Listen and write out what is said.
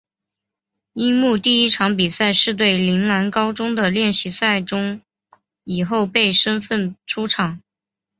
樱木第一场比赛是对陵南高中的练习赛中以后备身份出场。